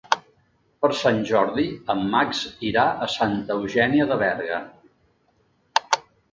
Per Sant Jordi en Max irà a Santa Eugènia de Berga.